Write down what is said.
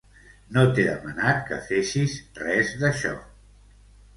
No t'he demanat que fessis res d'això.